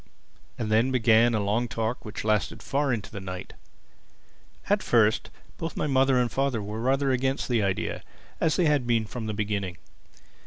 And then began a long talk which lasted far into the night. At first both my mother and father were rather against the idea—as they had been from the beginning.